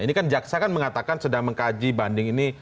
ini kan jaksa kan mengatakan sedang mengkaji banding ini